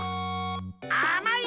あまい！